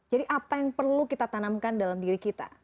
jadi apa yang perlu kita tanamkan dalam diri kita